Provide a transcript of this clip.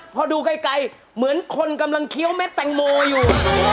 พอดูไกลเหมือนคนกำลังเคี้ยวเม็ดแตงโมอยู่